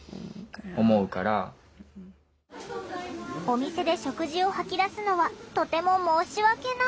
お店で食事を吐き出すのはとても申し訳ない。